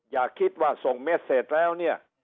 อย่าคิดว่าส่งเม็ดเสร็จแล้วเนี่ย